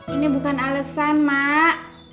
ini bukan alesan mak